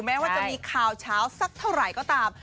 แม้ว่าจะมีข่าวเช้าสักเท่าไหร่ก็ตาม